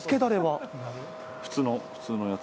普通のやつ。